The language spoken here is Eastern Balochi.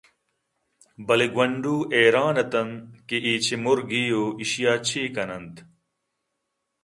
بلے گوٛنڈو حیران اِتنت کہ اے چے مُرگے ءُ ایشی ءَ چے کن اَنت